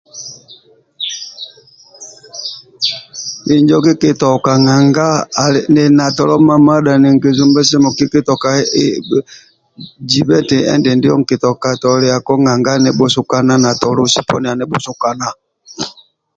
Injo kikitoka nanga nili na tolo mamadha ninki sumba simu kikioka jibheti endindi yo inki toka toliyako nanga anibusukana na tolosi poni anibusukana